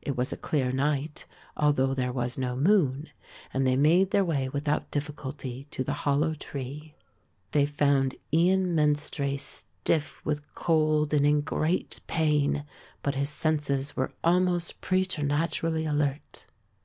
It was a clear night although there was no moon, and they made their way without difficulty to the hollow tree. They found Ian Menstrie stiff with cold and in great pain, but his senses almost preternaturally alert.